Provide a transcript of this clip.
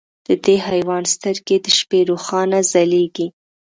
د دې حیوان سترګې د شپې روښانه ځلېږي.